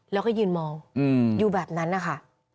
แล้วก็ยืนมองอยู่แบบนั้นนะคะ